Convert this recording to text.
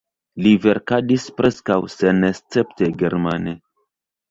Li verkadis preskaŭ senescepte germane.